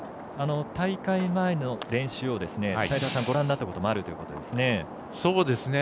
大会前の練習を齋田さんご覧になったこともあるということですね。